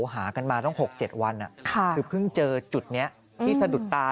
หากันมาตั้ง๖๗วันคือเพิ่งเจอจุดนี้ที่สะดุดตา